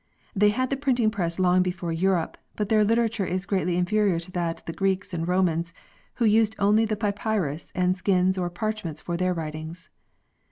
They had the printing press long before Europe, but their literature is greatly inferior to that of the Greeks and Romans, who used only the papyrus and skins or parchment for their writings.